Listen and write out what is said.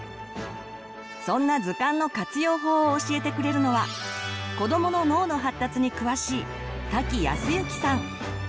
そんな図鑑の活用法を教えてくれるのは子どもの脳の発達に詳しい瀧靖之さん。